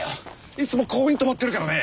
いつもここにとまってるからね。